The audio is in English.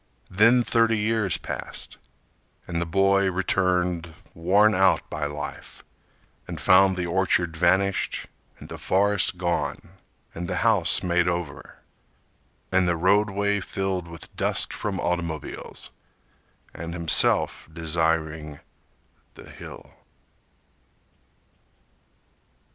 Then thirty years passed, And the boy returned worn out by life And found the orchard vanished, And the forest gone, And the house made over, And the roadway filled with dust from automobiles— And himself desiring The Hill!